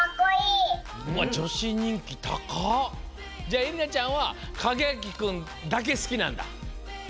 じゃあえりなちゃんはカゲアキくんだけ好きなんだ？